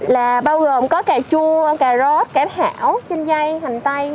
là bao gồm có cà chua cà rốt cải thảo chanh dây hành tây